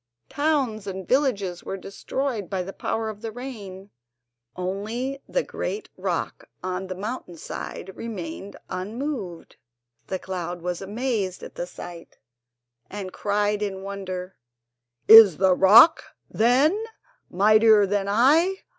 Towns and villages were destroyed by the power of the rain, only the great rock on the mountain side remained unmoved. The cloud was amazed at the sight, and cried in wonder: "Is the rock, then, mightier than I?